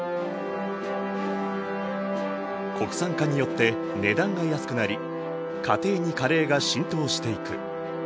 国産化によって値段が安くなり家庭にカレーが浸透していく。